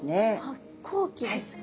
発光器ですか？